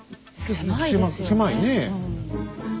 狭いねえ。